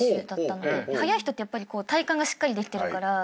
速い人ってやっぱり体幹がしっかりできてるから。